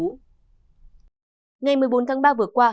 ngày một mươi bốn tháng ba vừa qua